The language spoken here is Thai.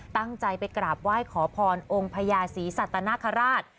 ตั้งใจไปกราบไหว้ขอพรองค์พญาศรีสัตนคราช